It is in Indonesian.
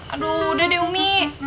aduh udah deh umi